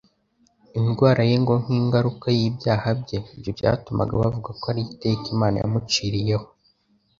Indwara ye ngo nk'ingaruka y'ibyaha bye, ibyo byatumaga bavuga ko ari iteka Imana yamuciyeho.